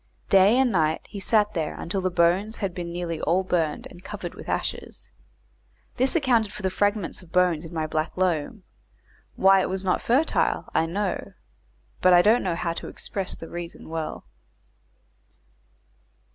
Day and night he sat there until the bones had been nearly all burned and covered with ashes. This accounted for the fragments of bones in my black loam; why it was not fertile, I know, but I don't know how to express the reason well.